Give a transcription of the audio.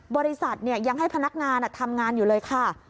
บริษัทยังให้พนักงานทำงานอยู่เลยค่ะ